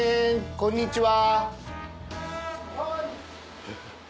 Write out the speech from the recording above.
こんにちは。